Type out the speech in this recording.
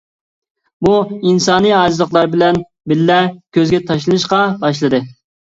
بۇ ئىنسانىي ئاجىزلىقلار بىلەن بىللە كۆزگە تاشلىنىشقا باشلىدى.